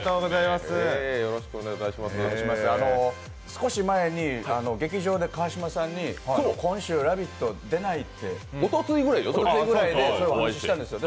少し前に劇場で川島さんに今週「ラヴィット！」出ないっておとついくらい、お話したんですよ。